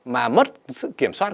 mà mất sự kiểm soát